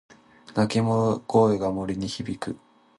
鳴き声が森に響く。